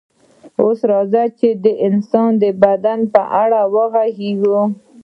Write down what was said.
اوس راځئ چې د انسان د بدن په اړه وغږیږو